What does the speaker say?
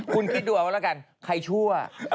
คุณคิดดูหลังวันนี้แล้วกันใครชั่ว